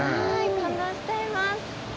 感動しています。